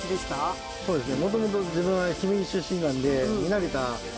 そうですね。